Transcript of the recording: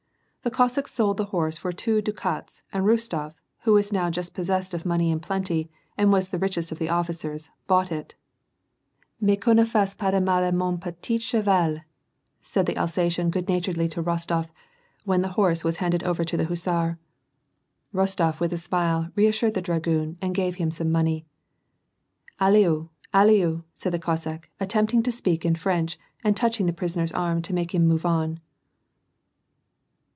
The Cossacks sold the horse for two ducats, and Rostof, who was just now possessed of money in plenty, and was the richest of the officers, bought it. ^' Mais qu^on nefasse pas de mat a man petit ehevalf " said the Alsatian good naturedly to Kostof, when the horse was handed over to the hussar. Bostof, with a smile, reassured the dragoon, and gave him some money. ^^Alyo! All/of" said the Cossack, attempting to speak in French, and touching the prisoner's arm to make him move on.